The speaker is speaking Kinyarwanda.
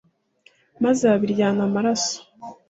maze babiryana amaraso